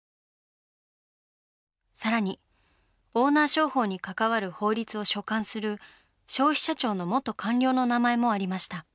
更にオーナー商法に関わる法律を所管する消費者庁の元官僚の名前もありました。